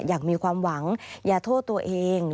อยากมีความหวังอย่าโทษตัวเอง